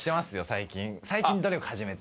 最近努力始めて。